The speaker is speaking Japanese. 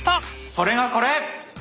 それがこれ！